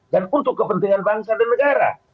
dan untuk kepentingan bangsa dan negara